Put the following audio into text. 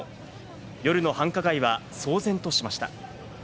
夜の繁華街は騒然としました。